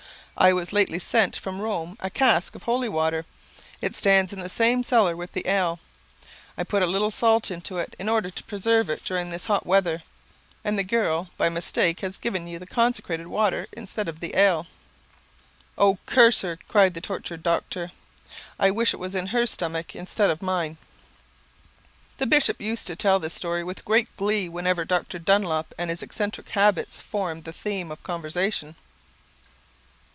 I was lately sent from Rome a cask of holy water, it stands in the same cellar with the ale, I put a little salt into it, in order to preserve it during this hot weather, and the girl, by mistake, has given you the consecrated water instead of the ale." "Oh, curse her!" cried the tortured doctor. "I wish it was in her stomach instead of mine!" The bishop used to tell this story with great glee whenever Dr. Dunlop and his eccentric habits formed the theme of conversation.